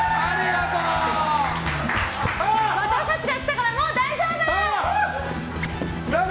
私たちが来たからもう大丈夫！